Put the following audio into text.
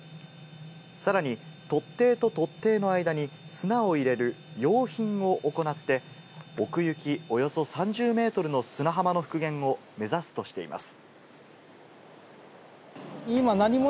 さらに突堤と突堤の間に砂を入れる養浜を行って、奥行きおよそ３０ｍの砂浜の復元を目指すとしています。